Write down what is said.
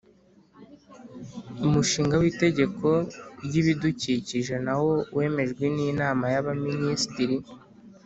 umushinga w’Itegeko ry’ibidukikije nawo wemejwe n’Inama y’Abaminisitiri